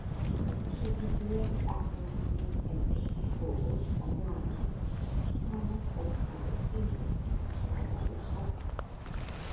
შეგიძლიათ წარმოიდგინოთ ესეც, როგორც რაღაც სამას ოცდაოთხი ნივთი, მაგალითად.